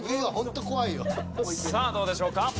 さあどうでしょうか？